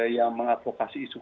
yang mengadvokasi isi